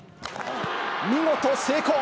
見事成功。